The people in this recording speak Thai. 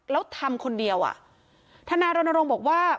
แล้วทำคนเดียวอ่ะทนายรณรงค์บอกว่า